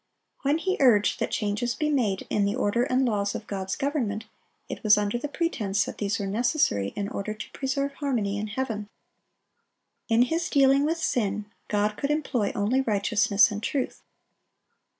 When he urged that changes be made in the order and laws of God's government, it was under the pretense that these were necessary in order to preserve harmony in heaven. In His dealing with sin, God could employ only righteousness and truth.